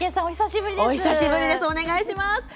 お久しぶりです。